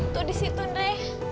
tuh disitu ndre